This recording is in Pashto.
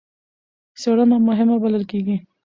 څېړنه مهمه بلل کېږي.